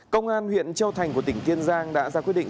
công an huyện châu thành của tỉnh kiên giang đã ra quyết định